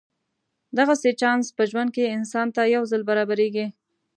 دغسې چانس په ژوند کې انسان ته یو ځل برابرېږي.